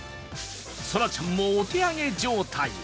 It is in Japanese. そらちゃんもお手上げ状態。